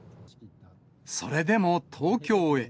それでも東京へ。